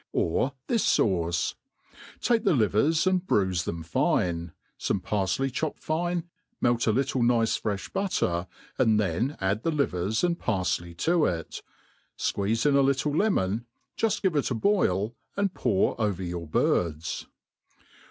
Or this fauce: take the livers and bruife them fine» fomb parfley chopped fine, melt a little nice frefli butter, and thea add the livers and parfley to it, fqueeze in a little lemon, juft ^ive it a boil, and pour over your birds.